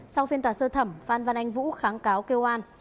sau phiên tòa sơ thẩm phan văn anh vũ kháng cáo kêu an